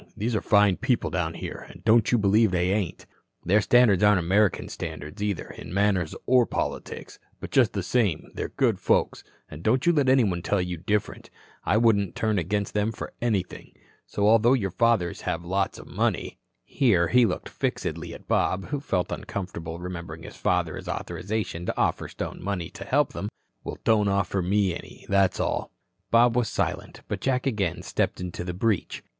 These are fine people down here, and don't you believe they ain't. Their standards aren't American standards either in manners or politics. But, just the same, they're good folks, and don't you let anybody tell you different. I wouldn't turn against them for anything. So, although your fathers have lots of money" here he looked fixedly at Bob, who felt uncomfortable remembering his father's authorization to offer Stone money to help them "well, don't offer me any, that's all." Bob was silent, but Jack again stepped into the breach.